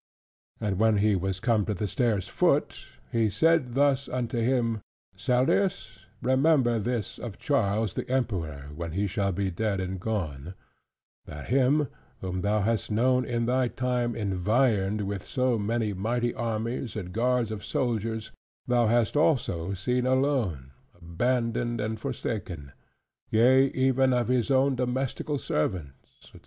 And when he was come to the stair's foot, he said thus unto him: "Seldius, remember this of Charles the Emperor, when he shall be dead and gone, that him, whom thou hast known in thy time environed with so many mighty armies and guards of soldiers, thou hast also seen alone, abandoned, and forsaken, yea even of his own domestical servants, &c.